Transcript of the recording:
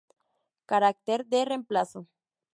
Carácter de reemplazo.